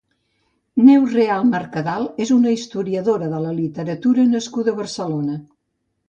Neus Real Mercadal és una historiadora de la literatura nascuda a Barcelona.